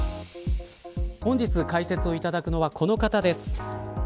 本日、解説いただくのはこの方です。